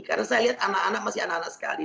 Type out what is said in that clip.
karena saya lihat anak anak masih anak anak sekali